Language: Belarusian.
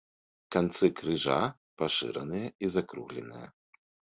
Канцы крыжа пашыраныя і закругленыя.